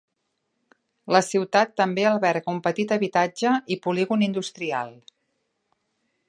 La ciutat també alberga un petit habitatge i polígon industrial.